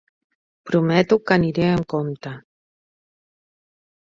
Prometo que aniré amb compte!